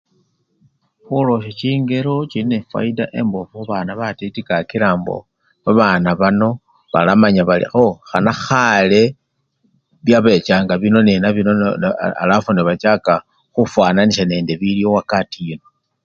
Khulosya chingelo chili nefayida embofu kakila mbo babana bano balamanya bali oo! khana khale byabechanga bino nenabino nono! alafu nebachaka khufwananisya nende biliwo wakati yino.